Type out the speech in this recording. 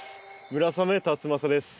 村雨辰剛です。